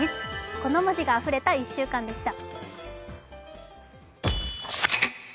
この文字があふれた１週間でした。